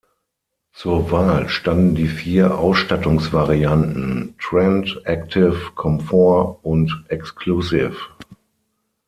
Zur Wahl standen die vier Ausstattungsvarianten Trend, Active, Comfort und Exclusive.